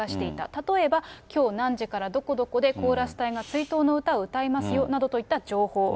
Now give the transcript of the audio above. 例えば、きょう何時からどこどこでコーラス隊が追悼の歌を歌いますよというような情報。